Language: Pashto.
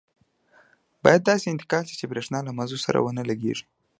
باید داسې انتقال شي چې د بریښنا له مزو سره ونه لګېږي.